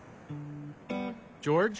ジョージ。